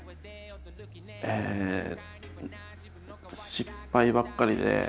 失敗ばっかりで。